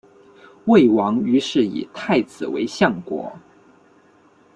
魏王于是以太子为相国。